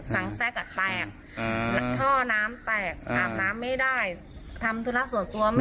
ทั้งแซกอะแตกท่อน้ำแตกอ่าอาบน้ำไม่ได้ทำทุนักส่วนตัวไม่ได้